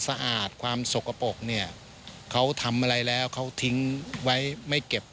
สะอาดความสกปรกเนี่ยเขาทำอะไรแล้วเขาทิ้งไว้ไม่เก็บ